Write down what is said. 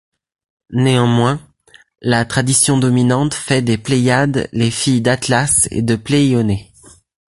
Néanmoins, la tradition dominante fait des Pléiades les filles d'Atlas et de Pléioné.